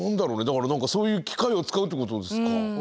だからそういう機械を使うってことですか？